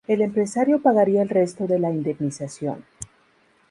El empresario pagaría el resto de la indemnización.